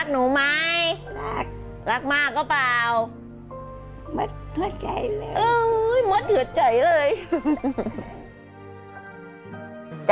พูดแบบนี้มาตลอด